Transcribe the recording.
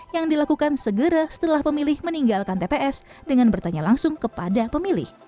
yang dilakukan segera setelah pemilih meninggalkan tps dengan bertanya langsung kepada pemilih